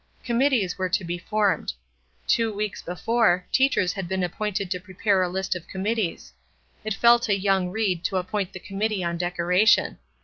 Committees were to be formed. Two weeks before, teachers had been appointed to prepare a list of committees. It fell to young Ried to appoint the committee on decoration.